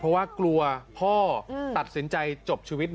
พ่อออกมามอบตัวเถอะลูกน่ะร้องไห้คุณผู้ชม